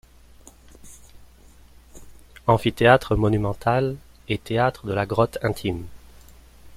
Amphithéâtre monumental et théâtre de la grotte intime.